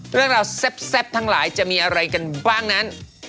เรื่องราวแซ่บทั้งหลายจะมีอะไรกันบ้างนั้น